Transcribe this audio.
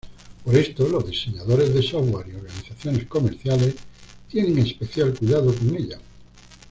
Por esto, los diseñadores de software y organizaciones comerciales tienen especial cuidado con ella.